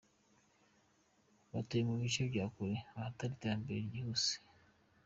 batuye mu bice bya kure ahatari iterambere ryihuse ryo.